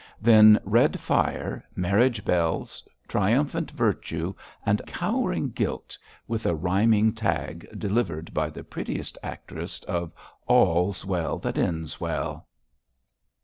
Then red fire, marriage bells, triumphant virtue and cowering guilt, with a rhyming tag, delivered by the prettiest actress, of 'All's well that ends well!'